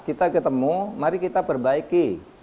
kita ketemu mari kita perbaiki